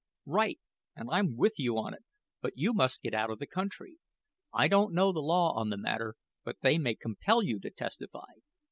"Right and I'm with you on it. But you must get out of the country. I don't know the law on the matter, but they may compel you to testify.